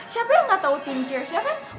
siapa yang gak tau team cheersnya kan